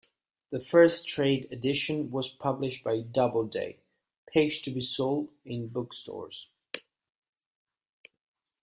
The first trade edition was published by Doubleday, Page to be sold in bookstores.